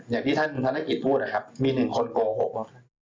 อย่างที่ท่านธนกิจพูดนะครับมีหนึ่งคนโกหกว่า